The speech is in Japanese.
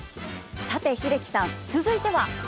さて英樹さん続いては？